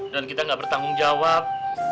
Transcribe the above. dan kita enggak bertanggung jawab